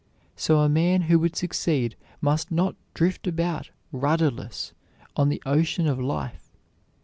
So a man who would succeed must not drift about rudderless on the ocean of life.